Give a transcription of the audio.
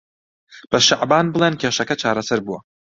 بە شەعبان بڵێن کێشەکە چارەسەر بووە.